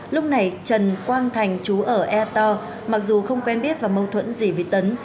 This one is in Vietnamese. lúc này trần quang thành chú ở ea to mặc dù không quen biết và mâu thuẫn gì với tấn